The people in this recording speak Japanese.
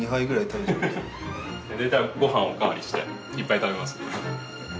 大体ごはんをお代わりしていっぱい食べますね。